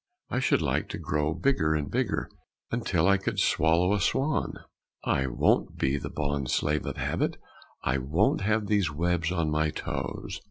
"I should like to grow bigger and bigger, Until I could swallow a swan. "I won't be the bond slave of habit, I won't have these webs on my toes.